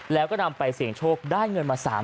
แล้วก็นำไปเสี่ยงโชคได้เงินมา๓๐๐